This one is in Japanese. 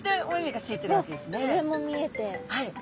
はい。